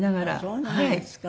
そうなんですか。